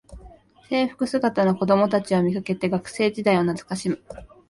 制服姿の子どもたちを見かけて学生時代を懐かしむ